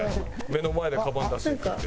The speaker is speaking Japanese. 目の前でカバン出していくって。